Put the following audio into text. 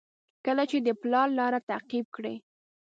کله چې د پلار لاره تعقیب کړئ.